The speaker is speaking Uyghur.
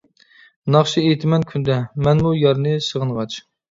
ناخشا ئېيتىمەن كۈندە، مەنمۇ يارنى سېغىنغاچ.